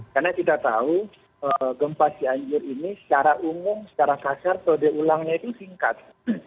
karena kita tahu gempa si anjur ini secara umum secara kasar prode ulangnya itu singkat